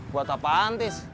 buat apaan tis